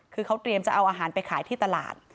คือเขาเตรียมจะเอาอาหารไปขายที่ตลาด